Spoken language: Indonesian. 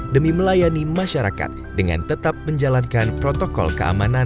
demi melayani masyarakat dengan tetap menjalankan protokol keamanan